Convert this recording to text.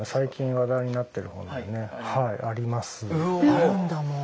あるんだもう。